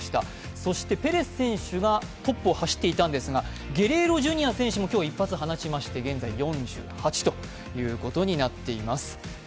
そしてペレス選手がトップを走っていたんですがゲレーロ・ジュニア選手も今日一発放ちまして現在４８ということになっております。